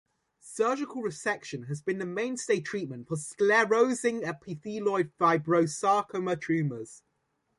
Surgical resection has been the mainstay treatment for sclerosing epithelioid fibrosarcoma tumors.